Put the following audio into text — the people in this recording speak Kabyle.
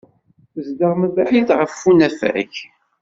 Tezdeɣ mebɛid ɣef unafag.